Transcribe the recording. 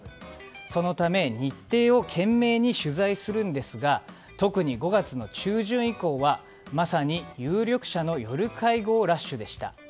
そのため、日程を懸命に取材するんですが特に５月の中旬以降はまさに有力者の夜会合ラッシュでした。